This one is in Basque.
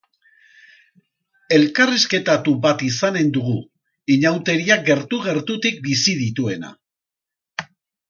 Elkarrizketatu bat izanen dugu, iñauteriak gertu-gertutik bizi dituena.